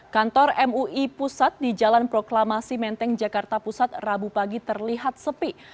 kantor mui pusat di jalan proklamasi menteng jakarta pusat rabu pagi terlihat sepi